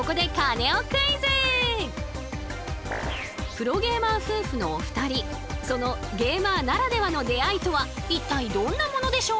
プロゲーマー夫婦のお二人そのゲーマーならではの出会いとは一体どんなものでしょう？